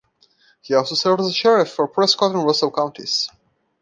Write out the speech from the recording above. He also served as sheriff for Prescott and Russell counties.